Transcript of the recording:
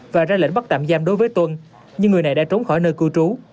và ra lệnh bắt tạm giam đối với tuân nhưng người này đã trốn khỏi nơi cư trú